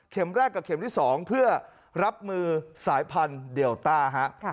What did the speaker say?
เข็มแรกกับเข็มที่สองเพื่อรับมือสายพันเดลต้า